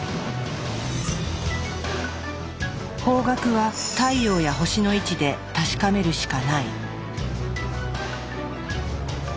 方角は太陽や星の位置で確かめるしかない。